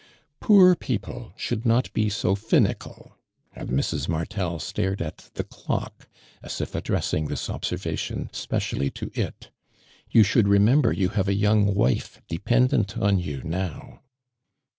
" Poor people should not be so finical 1" and Mi's. Martel stared at the clock as if addressing this observation specially to it. " You should remember you have a young wife df'pendenton you now."